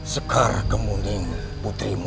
sekar kemuning putrimu